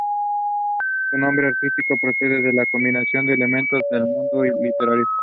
Su nombre artístico procede de la combinación de elementos del mundo literario.